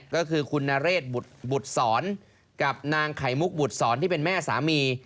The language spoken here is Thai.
ก็คือคุณนเรศบุตรศรกับนางไขมุกบุตรศรที่เป็นแม่สามี